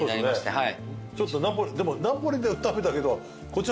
・はい。